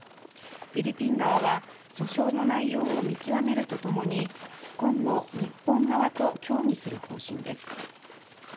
フィリピン側は訴訟の内容を見極めると共に今後、日本側と協議する方針です。